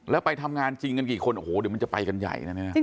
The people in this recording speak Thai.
แล้วไปทำงานจริงกันกี่คนโอ้โหเดี๋ยวมันจะไปกันใหญ่นะเนี่ย